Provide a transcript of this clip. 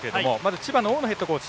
千葉の大野ヘッドコーチ。